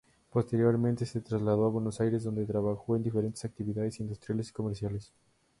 Posteriormente se trasladó a Buenos Aires donde trabajó en diferentes actividades industriales y comerciales.